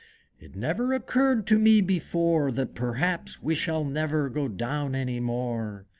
It never occurred to me before, That perhaps we shall never go down any more!"